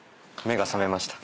目ぇ覚めました。